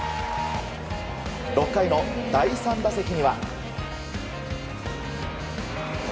６回の第３打席には。